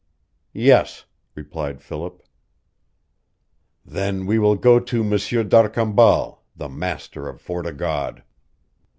"Yes," replied Philip. "Then we will go to M'sieur d'Arcambal, the master of Fort o' God."